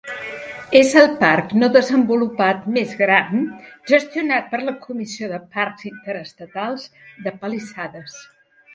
És el parc no desenvolupat més gran gestionat per la Comissió de Parcs Interestatals de Palisades.